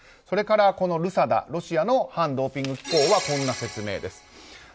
それから、ＲＵＳＡＤＡロシアの反ドーピング機構はこんな説明です。